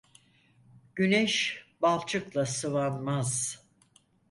Güneş balçıkla sıvanmaz.